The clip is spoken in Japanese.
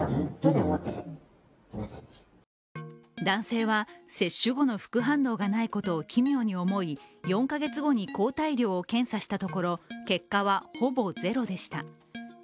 男性は、接種後の副反応がないことを、奇妙に思い、４か月後に抗体量を検査したところ結果は、ほぼゼロでした。